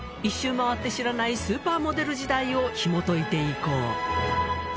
１周回って知らないスーパーモデル時代をひもといていこう。